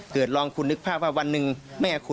ลองคุณนึกภาพว่าวันหนึ่งแม่คุณ